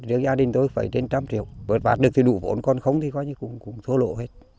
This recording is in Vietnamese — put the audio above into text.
riêng gia đình tôi phải trên trăm triệu bớt bát được thì đủ vốn còn không thì khó như cũng thua lộ hết